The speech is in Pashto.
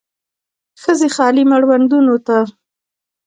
ښځې خالي مړوندونو ته